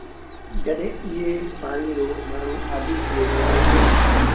جڏهيݩ ايئي پآڻيٚ رو مآڻهوٚٚݩ آديٚ ٿئي وهي دو۔